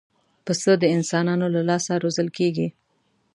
پسه د انسانانو له لاسه روزل کېږي.